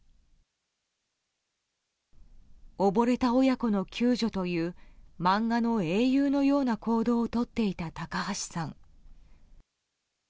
溺れた親子の救助という漫画の英雄のような行動をとっていた高橋さん。